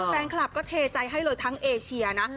แฟนคลับก็เทใจให้เลยทั้งเอเชียนะ